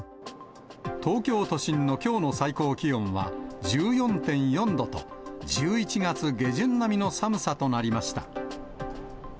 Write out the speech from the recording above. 東京都心のきょうの最高気温は１４．４度と、１１月下旬並みの寒さとなりました。